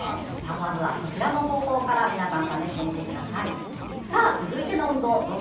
まずはこちらの方法から皆さん試してみてください。